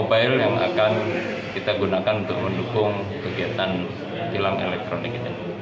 ini adalah hal yang akan kita lakukan untuk mendukung kegiatan tilang elektronik